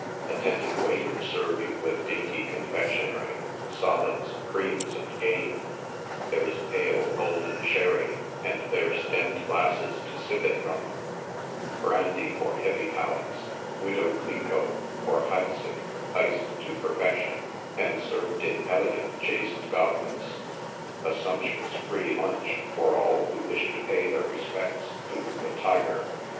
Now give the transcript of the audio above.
Attentive waiters serve you with dainty confectionery, solids, creams and game ; there is pale, golden sherry, and their stemmed glasses to sip it from ; brandy for heavy palates —" "Widow Cliquot" or ': Eeidsick" — iced to perfec tion, and served in elegant chased goblets. A sumptuous " free lunch" for all who wish to pay their respects to the " tiger.